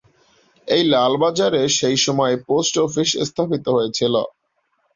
এই লাল বাজারে সেই সময়ে পোস্ট অফিস স্থাপিত হয়েছিল।